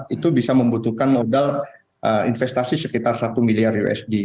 itu bisa membutuhkan modal investasi sekitar satu miliar usd